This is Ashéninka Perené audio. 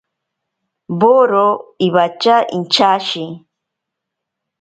Woro iwatya inchashi.